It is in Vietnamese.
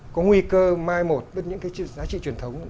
có nguy cơ mai một những cái giá trị truyền thống